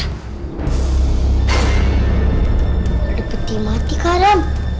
ada peti mati karim